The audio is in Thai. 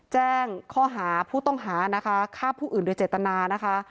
แจ้งข้อหาผู้ต้องหานะคะฆ่าผู้อื่นโดยเจตนานะคะ